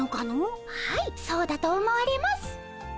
はいそうだと思われます。